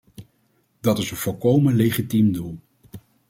Dat is een volkomen legitiem doel.